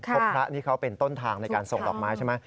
พระนี่เขาเป็นต้นทางในการส่งดอกไม้ใช่ไหม